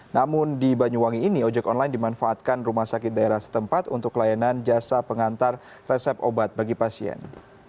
namun di banyuwangi ini ojek online dimanfaatkan rumah sakit daerah setempat untuk layanan jasa pengantar resep obat bagi pasien